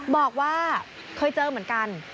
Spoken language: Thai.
บอกว่าเคยเจอเหมือนกัน